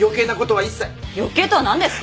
余計とは何ですか！